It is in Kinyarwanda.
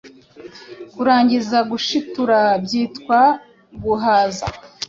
Kurangiza gushitura byitwa Guhaza